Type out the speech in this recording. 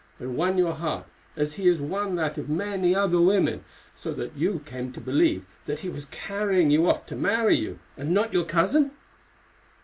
—and won your heart as he has won that of many another woman, so that you came to believe that he was carrying you off to marry you, and not your cousin?"